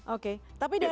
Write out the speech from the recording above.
oke tapi dari